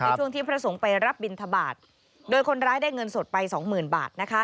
ในช่วงที่พระสงฆ์ไปรับบิณฑบาตโดยคนร้ายได้เงินสดไป๒๐๐๐๐บาท